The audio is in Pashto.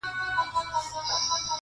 ستا وینا راته پیدا کړه دا پوښتنه-